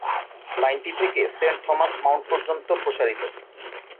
লাইনটি থেকে Saint Thomas Mount পর্যন্ত প্রসারিত।